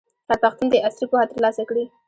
هر پښتون دي عصري پوهه ترلاسه کړي.